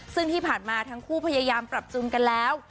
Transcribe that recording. ซึ่งที่ผ่านมาทั้งคู่พยายามปรับจุนกันแล้ว